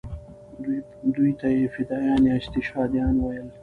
دوی ته یې فدایان یا استشهادیان ویل.